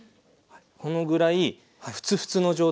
このぐらいフツフツの状態。